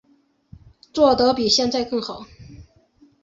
做得比现在更好